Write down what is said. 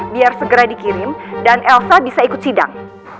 biar segera dikirim dan elsa bisa ikut sidang